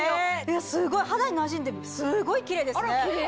すごい肌になじんですごいキレイですね！